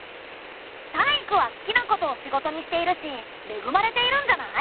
タイイクは好きなことを仕事にしているしめぐまれているんじゃない？